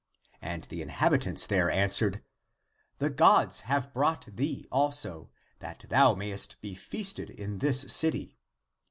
And the inhabitants there answered, " the gods have brought thee also, that thou mayest be feasted in this city.